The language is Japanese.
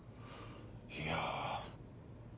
いや。